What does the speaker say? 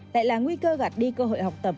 lại là nguy cơ gạt đi cơ hội học tập